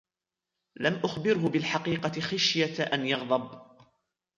لم أخبره بالحقيقة خشية أن يغضب.